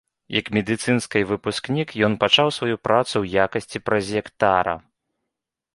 Як медыцынскай выпускнік, ён пачаў сваю працу ў якасці празектара.